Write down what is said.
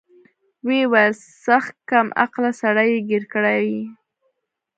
ويې ويل سخت کم عقله سړى يې ګير کړى يې.